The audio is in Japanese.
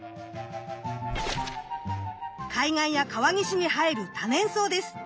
海岸や川岸に生える多年草です。